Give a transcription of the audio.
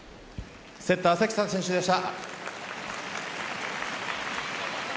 セッター・関田選手でした。